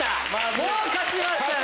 もう勝ちましたね。